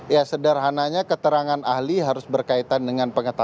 ya sederhananya keterangan ahli harus berkaitan dengan pengetahuan